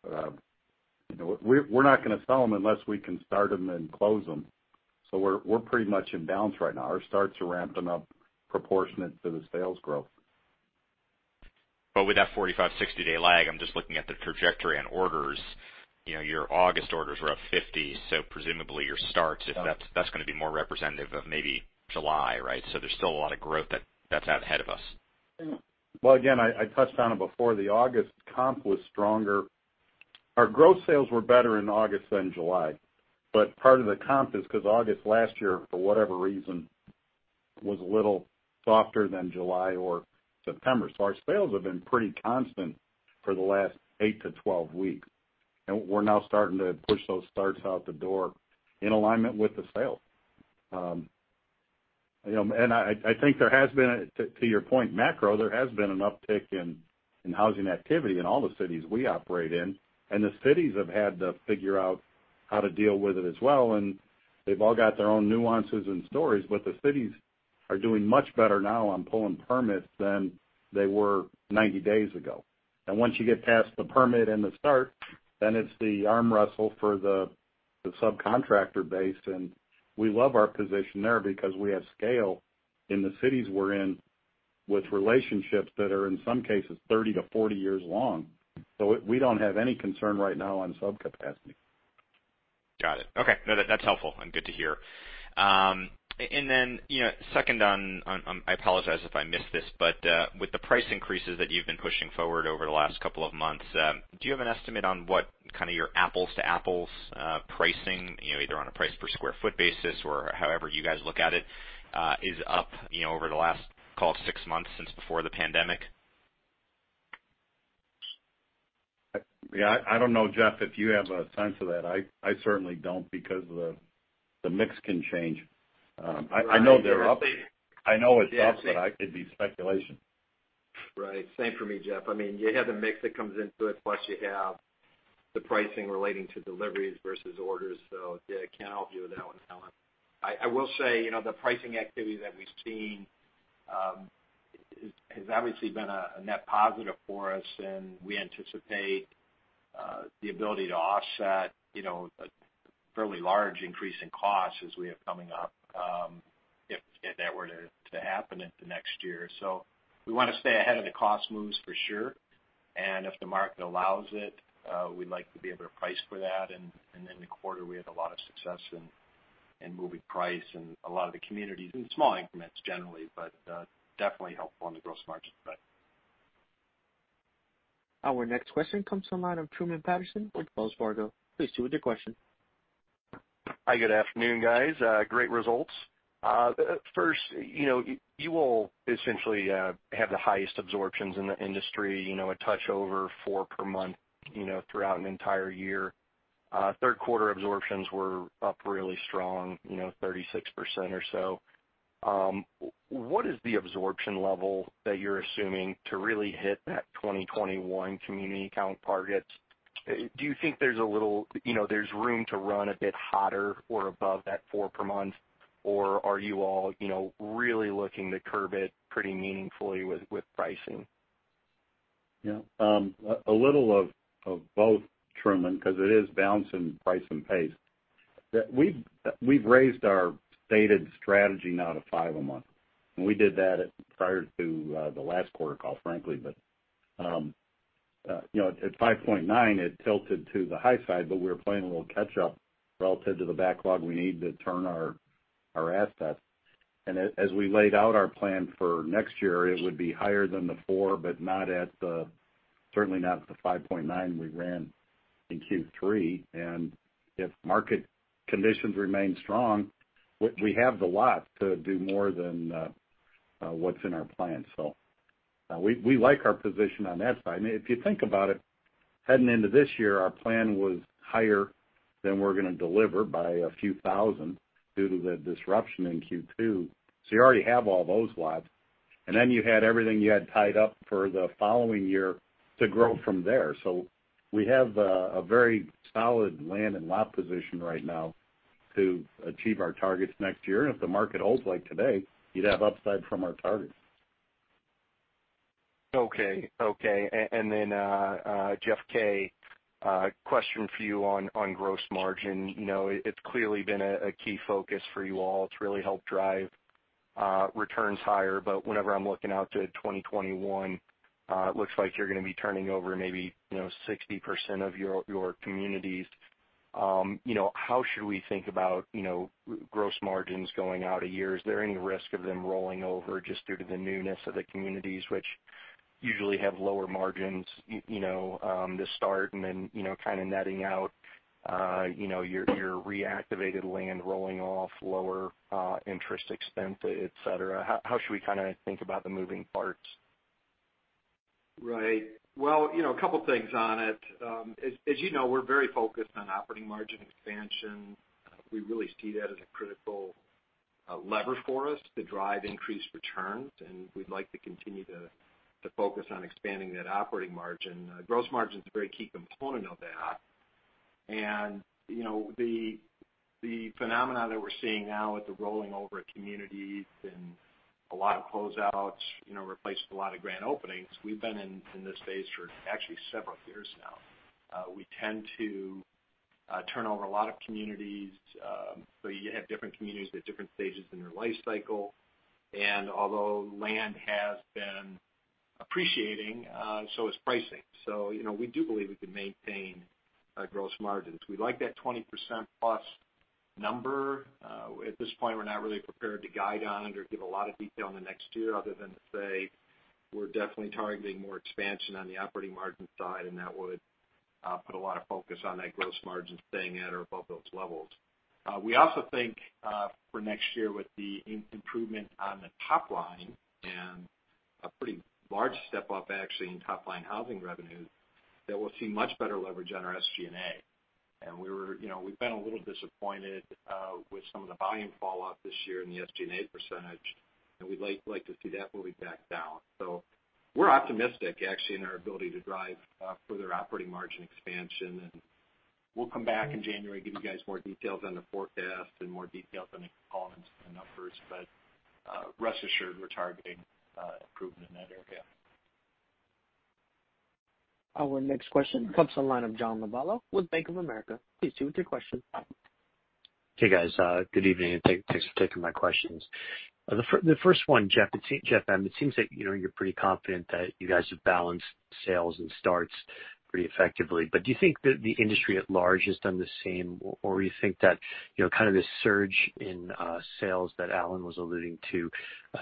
we're not going to sell them unless we can start them and close them. So we're pretty much in bounds right now. Our starts are ramping up proportionate to the sales growth. But with that 45-60-day lag, I'm just looking at the trajectory on orders. Your August orders were up 50, so presumably your starts, that's going to be more representative of maybe July, right? There's still a lot of growth that's ahead of us. Well, again, I touched on it before. The August comp was stronger. Our gross sales were better in August than July. But part of the comp is because August last year, for whatever reason, was a little softer than July or September. Our sales have been pretty constant for the last eight to 12 weeks. We're now starting to push those starts out the door in alignment with the sales. I think there has been, to your point, macro, there has been an uptick in housing activity in all the cities we operate in. The cities have had to figure out how to deal with it as well. They've all got their own nuances and stories. The cities are doing much better now on pulling permits than they were 90 days ago. And once you get past the permit and the start, then it's the arm wrestle for the subcontractor base. And we love our position there because we have scale in the cities we're in with relationships that are, in some cases, 30 to 40 years long. So we don't have any concern right now on subcapacity. Got it. Okay. No, that's helpful and good to hear. And then second on, I apologize if I missed this, but with the price increases that you've been pushing forward over the last couple of months, do you have an estimate on what kind of your apples-to-apples pricing, either on a price per square foot basis or however you guys look at it, is up over the last, call it, six months since before the pandemic? Yeah. I don't know, Jeff, if you have a sense of that. I certainly don't because the mix can change. I know they're up. I know it's up, but it'd be speculation. Right. Same for me, Jeff. I mean, you have the mix that comes into it, plus you have the pricing relating to deliveries versus orders. So I can't help you with that one, Alan. I will say the pricing activity that we've seen has obviously been a net positive for us, and we anticipate the ability to offset a fairly large increase in costs as we have coming up if that were to happen in the next year. So we want to stay ahead of the cost moves for sure, and if the market allows it, we'd like to be able to price for that. And in the quarter, we had a lot of success in moving price and a lot of the communities in small increments generally, but definitely helpful on the gross margin side. Our next question comes from Truman Patterson with Wells Fargo. Please proceed with your question. Hi. Good afternoon, guys. Great results. First, you all essentially have the highest absorptions in the industry, a touch over four per month throughout an entire year. Third-quarter absorptions were up really strong, 36% or so. What is the absorption level that you're assuming to really hit that 2021 community count target? Do you think there's a little room to run a bit hotter or above that four per month, or are you all really looking to curb it pretty meaningfully with pricing? Yeah. A little of both, Truman, because it is balancing price and pace. We've raised our stated strategy now to five a month, and we did that prior to the last quarter call, frankly, but at 5.9, it tilted to the high side, but we were playing a little catch-up relative to the backlog we need to turn our assets, and as we laid out our plan for next year, it would be higher than the four, but certainly not at the 5.9 we ran in Q3, and if market conditions remain strong, we have the lot to do more than what's in our plan, so we like our position on that side. If you think about it, heading into this year, our plan was higher than we're going to deliver by a few thousand due to the disruption in Q2, so you already have all those lots. And then you had everything you had tied up for the following year to grow from there. So we have a very solid land and lot position right now to achieve our targets next year. And if the market holds like today, you'd have upside from our targets. Okay. Okay. And then, Jeff K, question for you on gross margin. It's clearly been a key focus for you all. It's really helped drive returns higher. But whenever I'm looking out to 2021, it looks like you're going to be turning over maybe 60% of your communities. How should we think about gross margins going out of year? Is there any risk of them rolling over just due to the newness of the communities, which usually have lower margins to start and then kind of netting out your reactivated land rolling off, lower interest expense, etc.? How should we kind of think about the moving parts? Right. Well, a couple of things on it. As you know, we're very focused on operating margin expansion. We really see that as a critical lever for us to drive increased returns. And we'd like to continue to focus on expanding that operating margin. Gross margin is a very key component of that. And the phenomena that we're seeing now with the rolling over of communities and a lot of closeouts, replacing a lot of grand openings. We've been in this space for actually several years now. We tend to turn over a lot of communities. So you have different communities at different stages in their life cycle. And although land has been appreciating, so has pricing. So we do believe we can maintain gross margins. We like that 20%+ number. At this point, we're not really prepared to guide on it or give a lot of detail in the next year other than to say we're definitely targeting more expansion on the operating margin side, and that would put a lot of focus on that gross margin staying at or above those levels. We also think for next year with the improvement on the top line and a pretty large step up, actually, in top-line housing revenues, that we'll see much better leverage on our SG&A. And we've been a little disappointed with some of the volume falloff this year in the SG&A percentage. And we'd like to see that when we back down. So we're optimistic, actually, in our ability to drive further operating margin expansion. And we'll come back in January, give you guys more details on the forecast and more details on the components and the numbers. But rest assured, we're targeting improvement in that area. Our next question comes from the line of John Lovallo with Bank of America. Please proceed with your question. Hey, guys. Good evening and thanks for taking my questions. The first one, Jeff, it seems that you're pretty confident that you guys have balanced sales and starts pretty effectively. But do you think that the industry at large has done the same, or do you think that kind of the surge in sales that Alan was alluding to,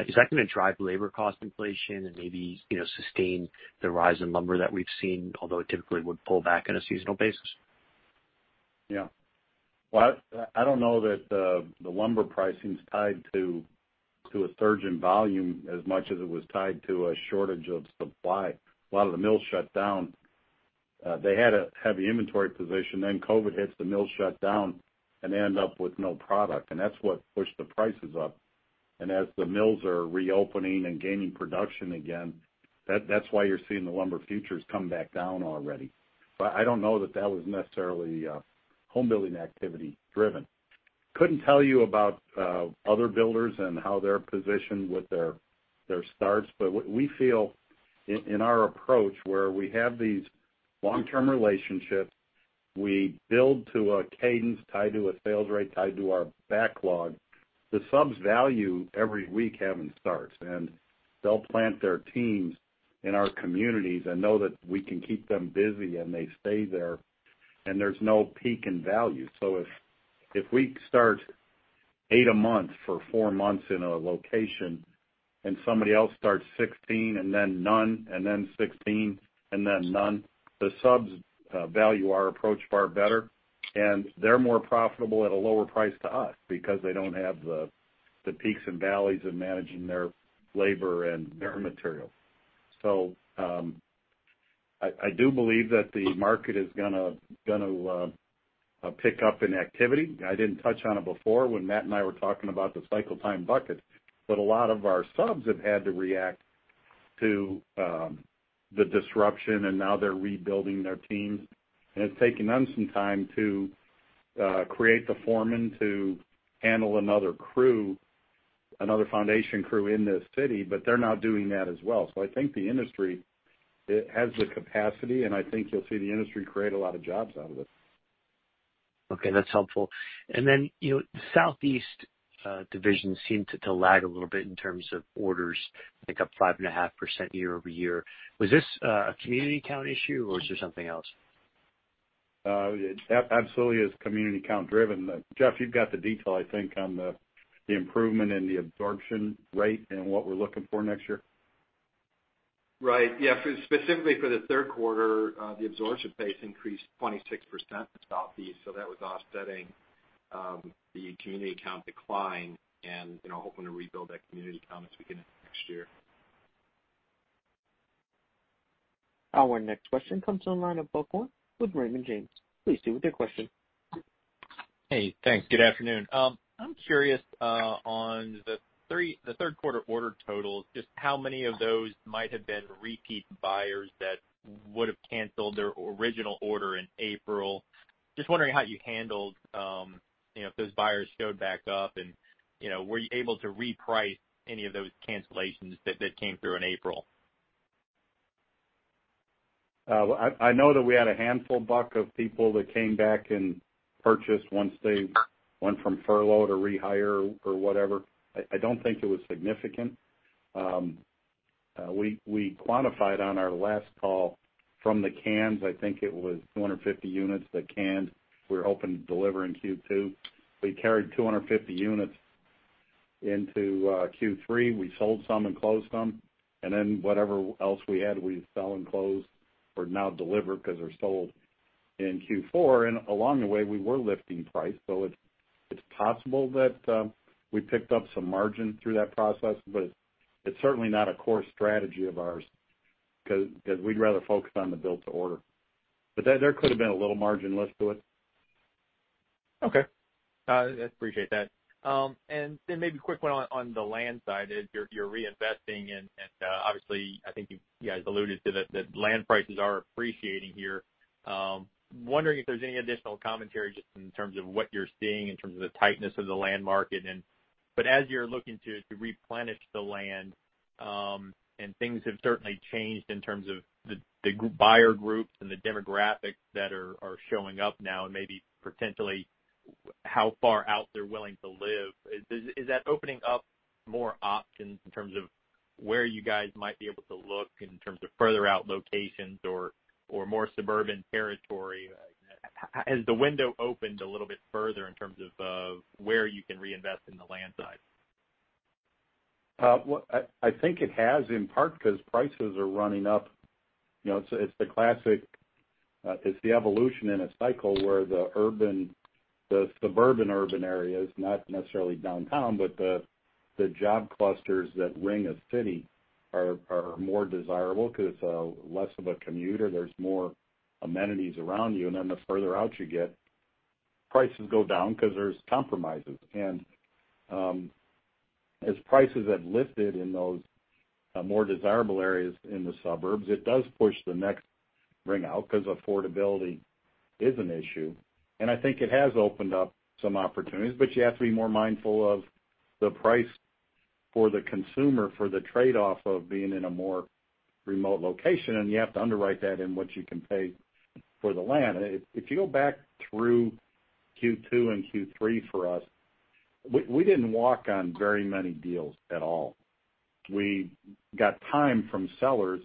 is that going to drive labor cost inflation and maybe sustain the rise in lumber that we've seen, although it typically would pull back on a seasonal basis? Yeah. Well, I don't know that the lumber pricing's tied to a surge in volume as much as it was tied to a shortage of supply. A lot of the mills shut down. They had a heavy inventory position. Then COVID hit, the mills shut down, and they ended up with no product. And that's what pushed the prices up. And as the mills are reopening and gaining production again, that's why you're seeing the lumber futures come back down already. But I don't know that that was necessarily homebuilding activity driven. Couldn't tell you about other builders and how they're positioned with their starts. But we feel in our approach where we have these long-term relationships, we build to a cadence tied to a sales rate tied to our backlog. The subs value every week having starts. And they'll plant their teams in our communities and know that we can keep them busy, and they stay there. And there's no peak in value. If we start eight a month for four months in a location and somebody else starts 16 and then none and then 16 and then none, the subs value our approach far better. And they're more profitable at a lower price to us because they don't have the peaks and valleys in managing their labor and their material. So I do believe that the market is going to pick up in activity. I didn't touch on it before when Matt and I were talking about the cycle time bucket. But a lot of our subs have had to react to the disruption, and now they're rebuilding their teams. And it's taking them some time to create the foreman to handle another crew, another foundation crew in this city. But they're now doing that as well. So I think the industry has the capacity, and I think you'll see the industry create a lot of jobs out of it. Okay. That's helpful. And then Southeast divisions seem to lag a little bit in terms of orders pick up 5.5% year over year. Was this a community count issue, or is there something else? Absolutely, it's community count driven. Jeff, you've got the detail, I think, on the improvement in the absorption rate and what we're looking for next year. Right. Yeah. Specifically for the third quarter, the absorption pace increased 26% in Southeast. So that was offsetting the community count decline and hoping to rebuild that community count as we get into next year. Our next question comes from the line of Buck Horne with Raymond. Please proceed with your question. Hey. Thanks. Good afternoon. I'm curious on the third-quarter order totals, just how many of those might have been repeat buyers that would have canceled their original order in April. Just wondering how you handled if those buyers showed back up, and were you able to reprice any of those cancellations that came through in April? I know that we had a handful, bunch of people that came back and purchased once they went from furlough to rehire or whatever. I don't think it was significant. We quantified on our last call from the cancellations. I think it was 250 units that canceled. We were hoping to deliver in Q2. We carried 250 units into Q3. We sold some and closed them. And then whatever else we had, we sell and closed or now deliver because they're sold in Q4. And along the way, we were lifting price. So it's possible that we picked up some margin through that process, but it's certainly not a core strategy of ours because we'd rather focus on the build-to-order. But there could have been a little margin left to it. Okay. I appreciate that. And then maybe a quick one on the land side. You're reinvesting, and obviously, I think you guys alluded to that land prices are appreciating here. Wondering if there's any additional commentary just in terms of what you're seeing in terms of the tightness of the land market. But as you're looking to replenish the land, and things have certainly changed in terms of the buyer groups and the demographics that are showing up now, and maybe potentially how far out they're willing to live. Is that opening up more options in terms of where you guys might be able to look in terms of further out locations or more Surban territory? Has the window opened a little bit further in terms of where you can reinvest in the land side? I think it has in part because prices are running up. It's the classic evolution in a cycle where the Surban areas, not necessarily downtown, but the job clusters that ring a city are more desirable because it's less of a commute. There's more amenities around you. And then the further out you get, prices go down because there's compromises. And as prices have lifted in those more desirable areas in the suburbs, it does push the next ring out because affordability is an issue. I think it has opened up some opportunities, but you have to be more mindful of the price for the consumer for the trade-off of being in a more remote location. You have to underwrite that in what you can pay for the land. If you go back through Q2 and Q3 for us, we didn't walk on very many deals at all. We got time from sellers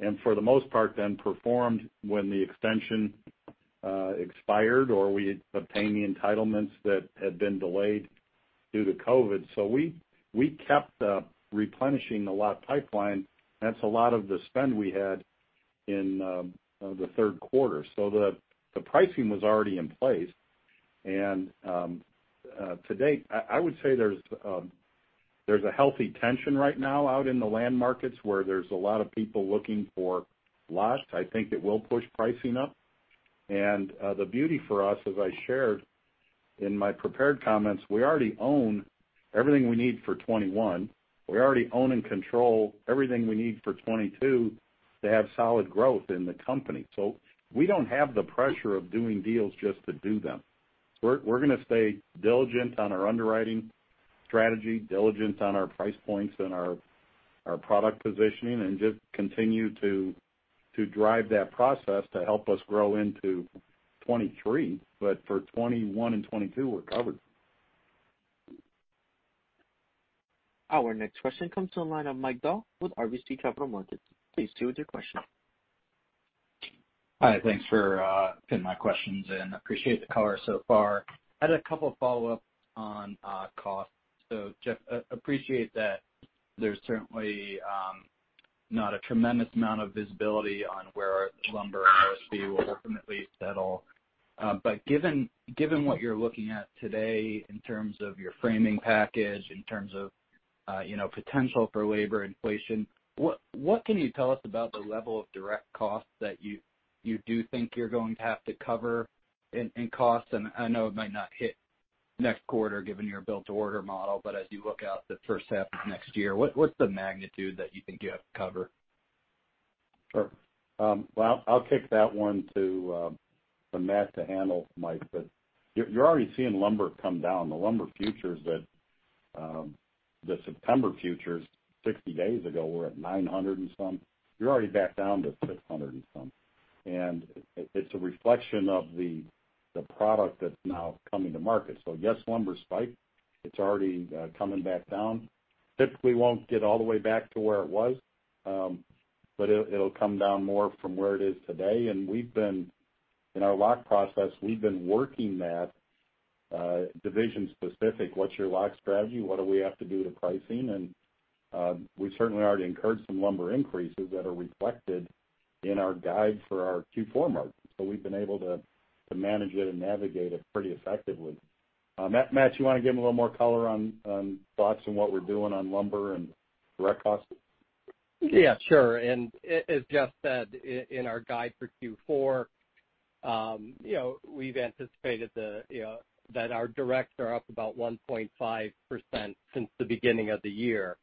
and, for the most part, then performed when the extension expired or we obtained the entitlements that had been delayed due to COVID. We kept replenishing the lot pipeline. That's a lot of the spend we had in the third quarter. The pricing was already in place. To date, I would say there's a healthy tension right now out in the land markets where there's a lot of people looking for lots. I think it will push pricing up. And the beauty for us, as I shared in my prepared comments, we already own everything we need for 2021. We already own and control everything we need for 2022 to have solid growth in the company. So we don't have the pressure of doing deals just to do them. We're going to stay diligent on our underwriting strategy, diligent on our price points and our product positioning, and just continue to drive that process to help us grow into 2023. But for 2021 and 2022, we're covered. Our next question comes from the line of Michael Dahl with RBC Capital Markets. Please proceed with your question. Hi. Thanks for putting my questions in. Appreciate the color so far. I had a couple of follow-ups on cost. So, Jeff, appreciate that there's certainly not a tremendous amount of visibility on where lumber and OSB will ultimately settle. But given what you're looking at today in terms of your framing package, in terms of potential for labor inflation, what can you tell us about the level of direct costs that you do think you're going to have to cover in costs? And I know it might not hit next quarter given your build-to-order model, but as you look out the first half of next year, what's the magnitude that you think you have to cover? Sure. Well, I'll kick that one to Matt to handle, Mike. But you're already seeing lumber come down. The lumber futures that the September futures 60 days ago were at 900 and some. You're already back down to 600 and some. And it's a reflection of the product that's now coming to market. So, yes, lumber spike. It's already coming back down. Typically, won't get all the way back to where it was, but it'll come down more from where it is today. And in our lock process, we've been working that division-specific. What's your lock strategy? What do we have to do to pricing? And we've certainly already incurred some lumber increases that are reflected in our guide for our Q4 market. So we've been able to manage it and navigate it pretty effectively. Matt, you want to give them a little more color on thoughts on what we're doing on lumber and direct costs? Yeah. Sure. And as Jeff said, in our guide for Q4, we've anticipated that our directs are up about 1.5% since the beginning of the year.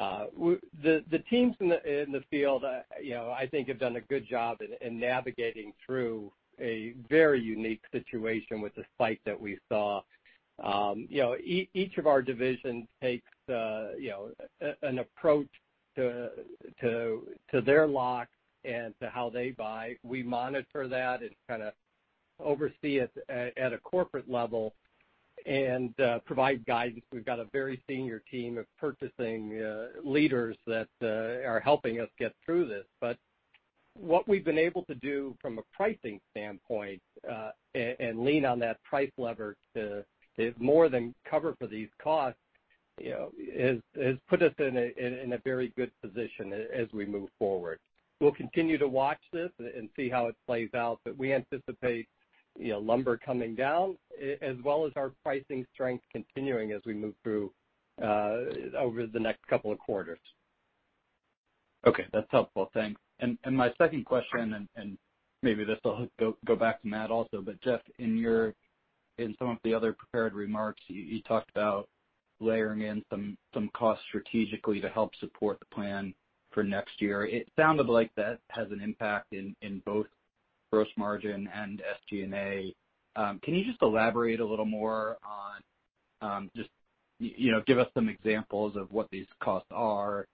The teams in the field, I think, have done a good job in navigating through a very unique situation with the spike that we saw. Each of our divisions takes an approach to their lock and to how they buy. We monitor that and kind of oversee it at a corporate level and provide guidance. We've got a very senior team of purchasing leaders that are helping us get through this. But what we've been able to do from a pricing standpoint and lean on that price lever to more than cover for these costs has put us in a very good position as we move forward. We'll continue to watch this and see how it plays out. But we anticipate lumber coming down as well as our pricing strength continuing as we move through over the next couple of quarters. Okay. That's helpful. Thanks. And my second question, and maybe this will go back to Matt also, but Jeff, in some of the other prepared remarks, you talked about layering in some costs strategically to help support the plan for next year. It sounded like that has an impact in both gross margin and SG&A. Can you just elaborate a little more on just give us some examples of what these costs are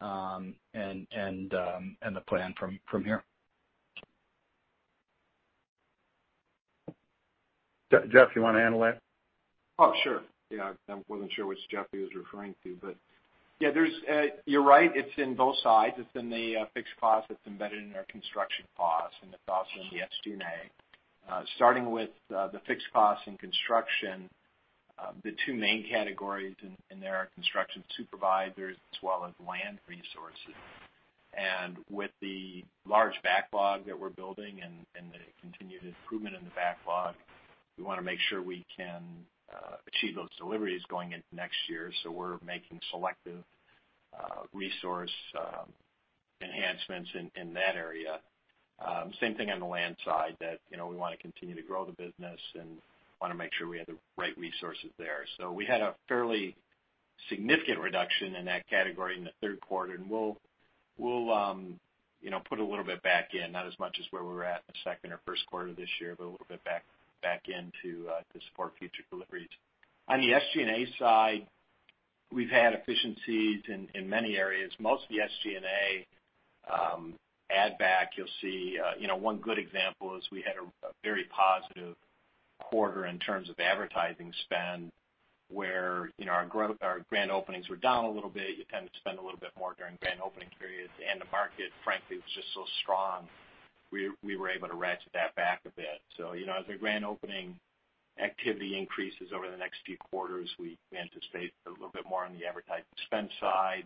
and the plan from here? Jeff, you want to handle that? Oh, sure. Yeah. I wasn't sure which Jeff he was referring to. But yeah, you're right. It's in both sides. It's in the fixed costs that's embedded in our construction costs, and it's also in the SG&A. Starting with the fixed costs and construction, the two main categories in there are construction supervisors as well as land resources. With the large backlog that we're building and the continued improvement in the backlog, we want to make sure we can achieve those deliveries going into next year. We're making selective resource enhancements in that area. Same thing on the land side that we want to continue to grow the business and want to make sure we have the right resources there. We had a fairly significant reduction in that category in the third quarter, and we'll put a little bit back in, not as much as where we were at the second or first quarter of this year, but a little bit back in to support future deliveries. On the SG&A side, we've had efficiencies in many areas. Most of the SG&A add-back, you'll see one good example is we had a very positive quarter in terms of advertising spend where our grand openings were down a little bit. You tend to spend a little bit more during grand opening periods, and the market, frankly, was just so strong, we were able to ratchet that back a bit, so as our grand opening activity increases over the next few quarters, we anticipate a little bit more on the advertising spend side.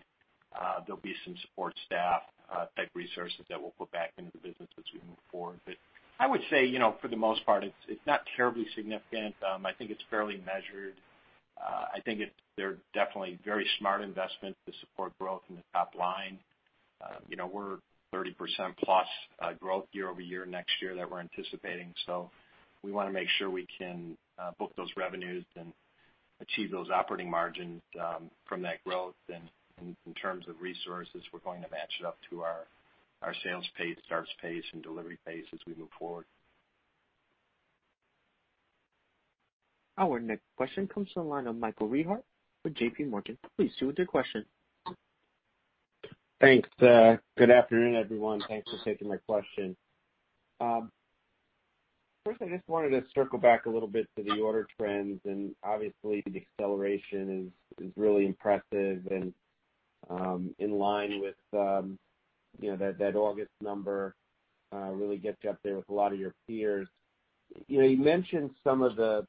There'll be some support staff-type resources that we'll put back into the business as we move forward, but I would say, for the most part, it's not terribly significant. I think it's fairly measured. I think they're definitely very smart investments to support growth in the top line. We're 30%+ growth year-over-year next year that we're anticipating. So we want to make sure we can book those revenues and achieve those operating margins from that growth. And in terms of resources, we're going to match it up to our sales pace, starts pace, and delivery pace as we move forward. Our next question comes from the line of Michael Rehaut with J.P. Morgan. Please proceed with your question. Thanks. Good afternoon, everyone. Thanks for taking my question. First, I just wanted to circle back a little bit to the order trends. And obviously, the acceleration is really impressive and in line with that August number really gets you up there with a lot of your peers. You mentioned some of the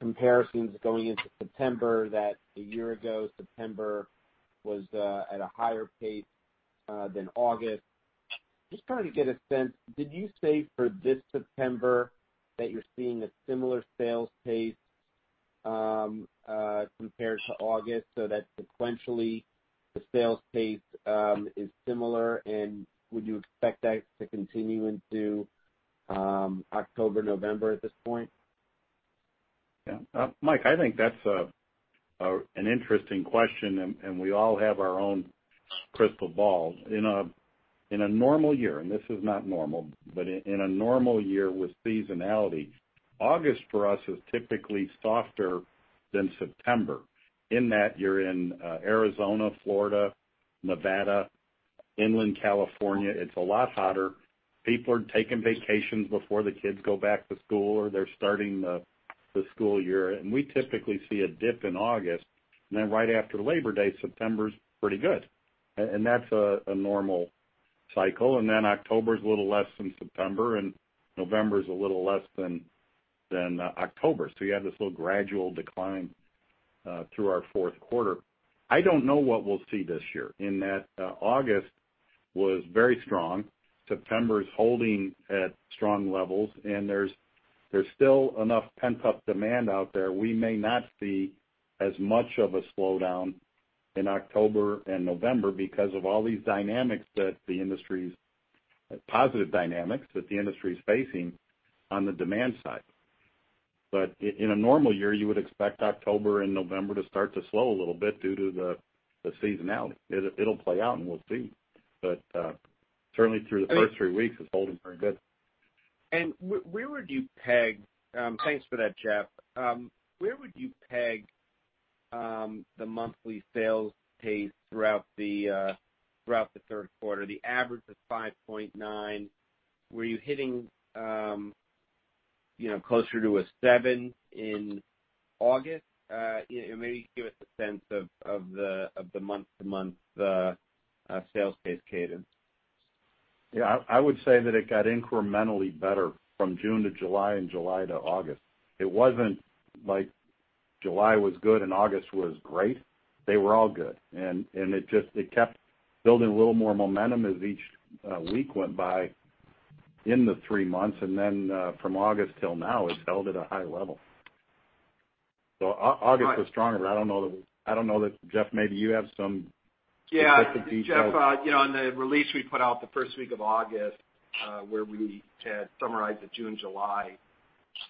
comparisons going into September that a year ago, September was at a higher pace than August. Just trying to get a sense, did you say for this September that you're seeing a similar sales pace compared to August? So that sequentially, the sales pace is similar. And would you expect that to continue into October, November at this point? Yeah. Mike, I think that's an interesting question. And we all have our own crystal ball. In a normal year, and this is not normal, but in a normal year with seasonality, August for us is typically softer than September. In that, you're in Arizona, Florida, Nevada, inland California. It's a lot hotter. People are taking vacations before the kids go back to school, or they're starting the school year. And we typically see a dip in August. And then right after Labor Day, September's pretty good. And that's a normal cycle. And then October's a little less than September, and November's a little less than October. So you have this little gradual decline through our fourth quarter. I don't know what we'll see this year, in that August was very strong. September's holding at strong levels. And there's still enough pent-up demand out there. We may not see as much of a slowdown in October and November because of all these positive dynamics that the industry is facing on the demand side. But in a normal year, you would expect October and November to start to slow a little bit due to the seasonality. It'll play out, and we'll see. But certainly, through the first three weeks, it's holding very good. And where would you peg, thanks for that, Jeff, where would you peg the monthly sales pace throughout the third quarter? The average is 5.9. Were you hitting closer to a 7 in August? Maybe give us a sense of the month-to-month sales pace cadence. Yeah. I would say that it got incrementally better from June to July and July to August. It wasn't like July was good and August was great. They were all good. And it kept building a little more momentum as each week went by in the three months. And then from August till now, it's held at a high level. So August was stronger. I don't know that, Jeff, maybe you have some specific details. Yeah. Jeff, on the release we put out the first week of August, where we had summarized the June-July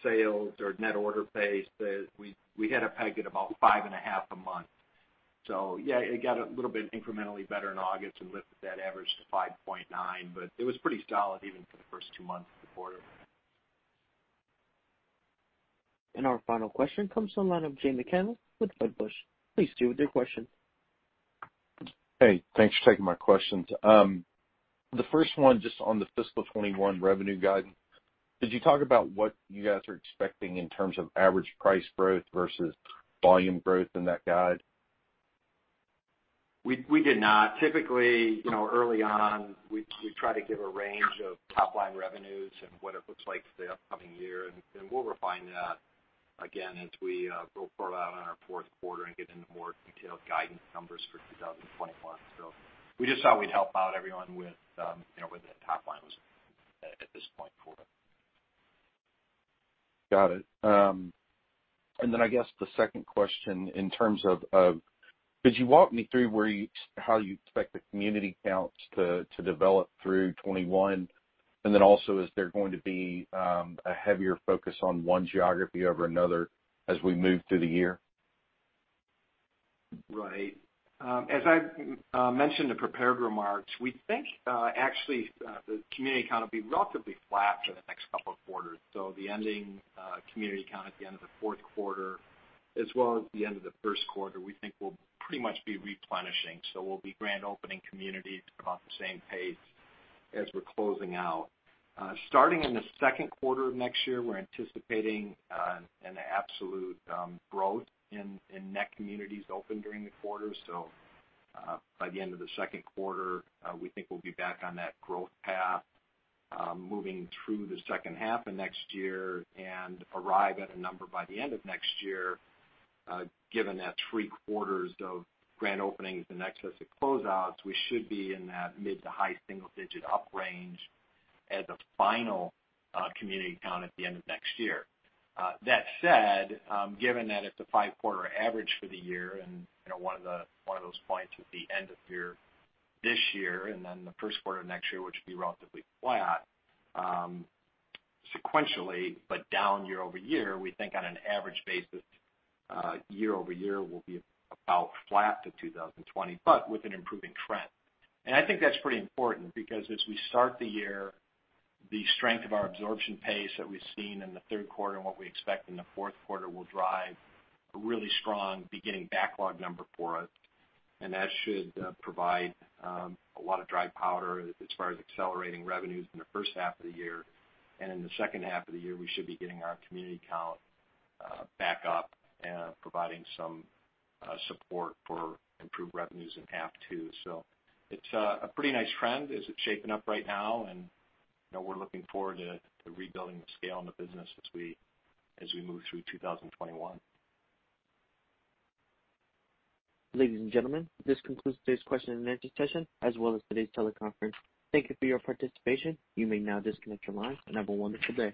sales or net order pace, we had a peg at about 5.5 a month. So yeah, it got a little bit incrementally better in August and lifted that average to 5.9. But it was pretty solid even for the first two months of the quarter. And our final question comes from the line of Jay McCanless with Wedbush. Please proceed with your question. Hey. Thanks for taking my questions. The first one just on the fiscal 2021 revenue guidance. Did you talk about what you guys are expecting in terms of average price growth versus volume growth in that guide? We did not. Typically, early on, we try to give a range of top-line revenues and what it looks like for the upcoming year. And we'll refine that again as we roll out on our fourth quarter and get into more detailed guidance numbers for 2021. So we just thought we'd help out everyone with what that top line was at this point for. Got it. And then I guess the second question in terms of, could you walk me through how you expect the community counts to develop through 2021? And then also, is there going to be a heavier focus on one geography over another as we move through the year? Right. As I mentioned in the prepared remarks, we think actually the community count will be relatively flat for the next couple of quarters. So the ending community count at the end of the fourth quarter, as well as the end of the first quarter, we think will pretty much be replenishing. So we'll be grand opening communities at about the same pace as we're closing out. Starting in the second quarter of next year, we're anticipating an absolute growth in net communities open during the quarter. So by the end of the second quarter, we think we'll be back on that growth path moving through the second half of next year and arrive at a number by the end of next year. Given that three quarters of grand openings and excessive closeouts, we should be in that mid to high single-digit up range as a final community count at the end of next year. That said, given that it's a five-quarter average for the year and one of those points at the end of year this year and then the first quarter of next year, which would be relatively flat sequentially, but down year over year, we think on an average basis, year over year, we'll be about flat to 2020, but with an improving trend. And I think that's pretty important because as we start the year, the strength of our absorption pace that we've seen in the third quarter and what we expect in the fourth quarter will drive a really strong beginning backlog number for us. And that should provide a lot of dry powder as far as accelerating revenues in the first half of the year. And in the second half of the year, we should be getting our community count back up and providing some support for improved revenues in half too. So it's a pretty nice trend as it's shaping up right now. And we're looking forward to rebuilding the scale in the business as we move through 2021. Ladies and gentlemen, this concludes today's question and answer session as well as today's teleconference. Thank you for your participation. You may now disconnect your line. And have a wonderful day.